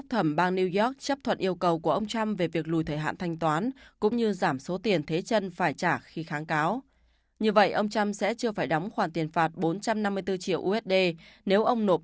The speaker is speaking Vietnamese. hãy đăng ký kênh để ủng hộ kênh của chúng mình nhé